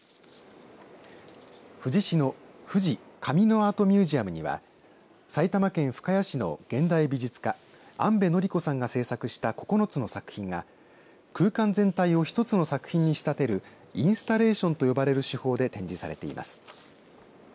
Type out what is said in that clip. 富士市のふじ・紙のアートミュージアムには埼玉県深谷市の現代美術家安部典子さんが制作した９つの作品が空間全体を一つの作品に仕立てるインスタレーションと呼ばれる手法で展示されています。